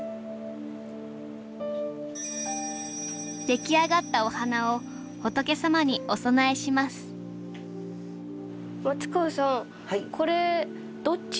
できあがったお花を仏様にお供えします松川さん